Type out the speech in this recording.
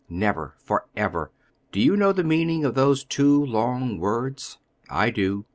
Never! Forever! do you know the meaning of those two long words? I do.